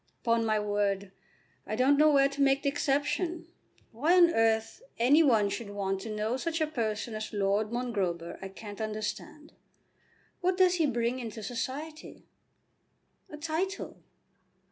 "Upon my word I don't know where to make the exception. Why on earth any one should want to know such a person as Lord Mongrober I can't understand. What does he bring into society?" "A title."